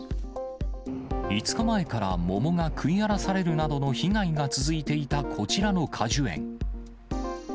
５日前から桃が食い荒らされるなどの被害が続いていたこちらの果樹園。